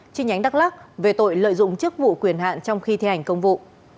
chi nhánh đắk lắc về tội lợi dụng chức vụ quyền hạn trong khi thi hành công vụ